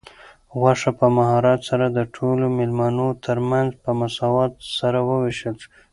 غوښه په مهارت سره د ټولو مېلمنو تر منځ په مساوات سره وویشل شوه.